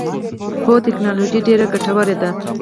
هو، تکنالوجی ډیره ګټوره ده